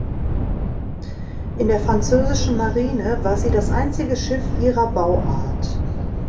In der französischen Marine war sie das einzige Schiff ihrer Bauart.